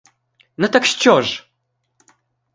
Ну так що ж?